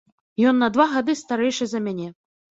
Ён на два гады старэйшы за мяне.